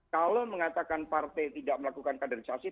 kalau mengatakan partai tidak melakukan kaderisasi